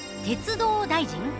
「鐵道大臣」？